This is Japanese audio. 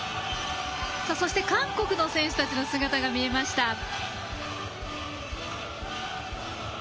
そして、韓国の選手たちの姿が見えました。